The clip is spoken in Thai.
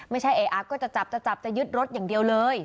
ไม่ใช่เออะก็จะจับจะจับจะยึดรถอย่างเดียวเลย